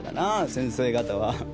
先生方は。